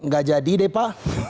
gak jadi deh pak